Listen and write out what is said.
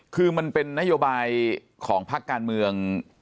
คือมันเป็นนโยบายของพักการเมือง